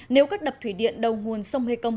nếu các đập thủy điện đầu nguồn sông mê công